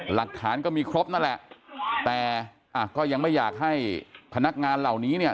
หลักฐานก็มีครบนั่นแหละแต่อ่ะก็ยังไม่อยากให้พนักงานเหล่านี้เนี่ย